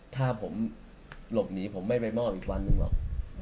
ถ้าผมหลบหนีผมไม่ไปมอบอีกวันหนึ่งหรอก